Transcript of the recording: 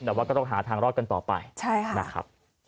แต่ว่าก็ต้องหาทางรอดกันต่อไปนะครับ